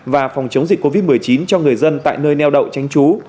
và phòng chống dịch covid một mươi chín cho người dân tại nơi neo đậu tránh trú